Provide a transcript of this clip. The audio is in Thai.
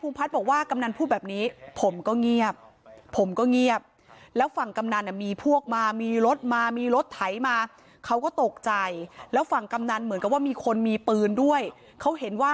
ภูมิพัฒน์บอกว่ากำนันพูดแบบนี้ผมก็เงียบผมก็เงียบแล้วฝั่งกำนันมีพวกมามีรถมามีรถไถมาเขาก็ตกใจแล้วฝั่งกำนันเหมือนกับว่ามีคนมีปืนด้วยเขาเห็นว่า